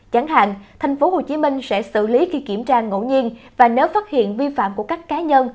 chẳng hạn tp hcm sẽ xử lý khi kiểm tra ngẫu nhiên và nếu phát hiện vi phạm của các cá nhân